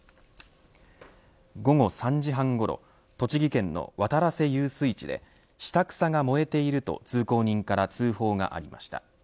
午後３時半ごろ栃木県の渡良瀬遊水地で下草が燃えていると通行人から通報がありました。